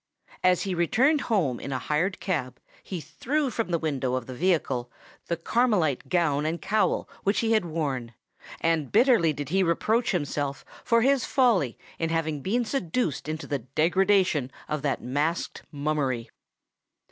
As he returned home in a hired cab, he threw from the window of the vehicle the Carmelite gown and cowl which he had worn; and bitterly did he reproach himself for his folly in having been seduced into the degradation of that masqued mummery.